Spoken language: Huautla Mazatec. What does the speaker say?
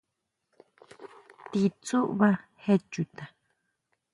¿Ti tsubá je chuta?